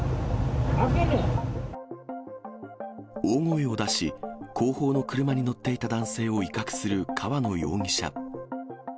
大声を出し、後方の車に乗っていた男性を威嚇する河野容疑者。